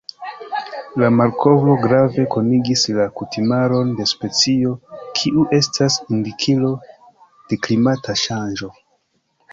La malkovro grave konigis la kutimaron de specio kiu estas indikilo de klimata ŝanĝo.